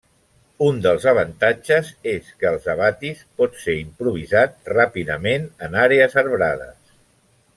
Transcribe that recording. Un dels avantatges és que els abatis pot ser improvisats ràpidament en àrees arbrades.